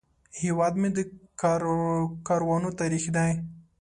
هیواد مې د کاروانو تاریخ دی